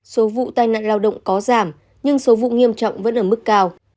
số vụ tai nạn lao động có giảm nhưng số vụ nghiêm trọng vẫn ở mức cao